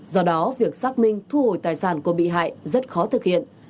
do đó việc xác minh thu hồi tài sản của bị hại rất khó thực hiện